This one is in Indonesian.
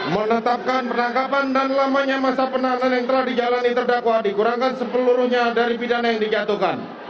menetapkan penangkapan dan lamanya masa penahanan yang telah dijalani terdakwa dikurangkan sepeluruhnya dari pidana yang dijatuhkan